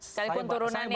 sekalipun turunannya gitu ya